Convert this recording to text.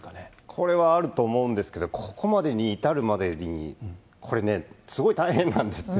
これはあると思うんですけど、ここまでに至るまでに、これね、すごい大変なんですよ。